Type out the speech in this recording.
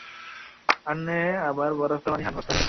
আজ আবার বরফের পানি পান করেছো?